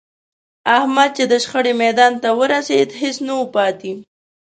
احمد چې د شخړې میدان ته ورسېد، هېڅ نه و پاتې